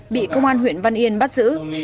bị công an huyện văn yên bắt giữ